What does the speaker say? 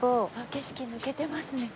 景色抜けてますね。